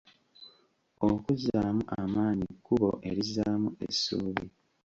Okuzzaamu amaanyi kkubo erizzaamu essuubi.